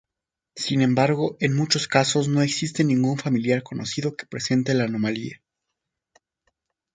Sin embargo, en muchos casos no existe ningún familiar conocido que presente la anomalía.